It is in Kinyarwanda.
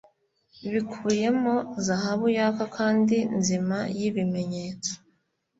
Bikubiyemo zahabu yaka kandi nzima yibimenyetso